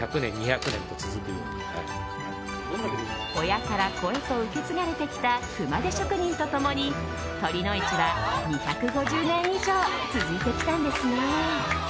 親から子へと受け継がれてきた熊手職人と共に酉の市は２５０年以上続いてきたんですね。